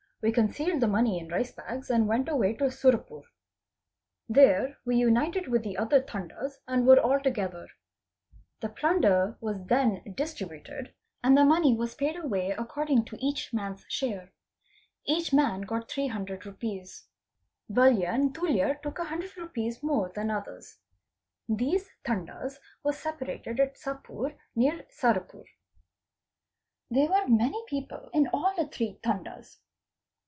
We concealed the money in rice bags + and went away to Surapur. There we united with the other Tandas and _ were all together. The plunder was then distributed and the money was _ paid away according to each man's share; each man got 300 rupees. » Valya and Tuljya took a hundred rupees more than others. These _ Tandas were separated at Sapur near Sarapur. 'There were many people inall the three Tandas.